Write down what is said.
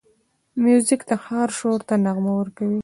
موزیک د ښار شور ته نغمه ورکوي.